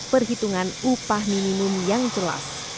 perhitungan upah minimum yang jelas